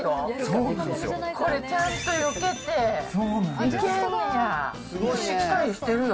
これ、ちゃんとよけて、いけんや。